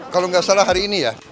kalau nggak salah hari ini ya